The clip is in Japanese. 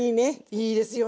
いいですよね。